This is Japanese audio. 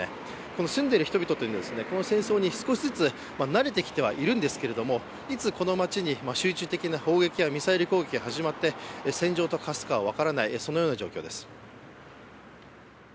この住んでいる人々というのはこの戦争に少しずつ慣れてきてはいるんですけれどもいつこの街に砲撃が始まって戦場と化するかわからないという状況です。